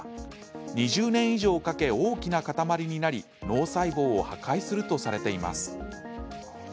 ２０年以上かけ大きな塊になり脳細胞を破壊するとされています。